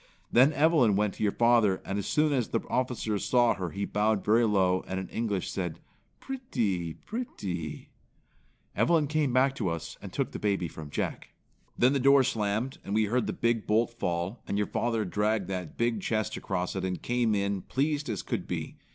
Then Evelyn went to your father and as soon as the officer saw her he bowed very low, and in English said, 'Prettee, prettee.' Evelyn came back to us and took the baby from Jack. "Then the door slammed, and we heard the big bolt fall, and your father dragged that big chest across it and came in as pleased as could be.